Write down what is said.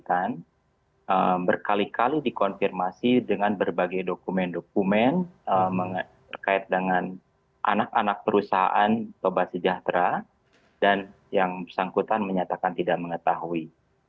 jadi saya ingin menambahkan kepentingan dari perusahaan yang berkali kali dikonfirmasi dengan berbagai dokumen dokumen terkait dengan anak anak perusahaan toba sejahtera dan yang sangkutan menyatakan tidak mengetahui